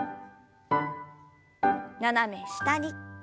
斜め下に。